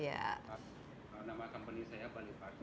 nama kompani saya balik parcel